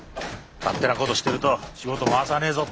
「勝手なことしてると仕事回さねえぞ」